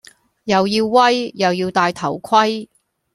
又要威，又要帶頭盔